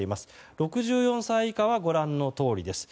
６４歳以下はご覧のとおりです。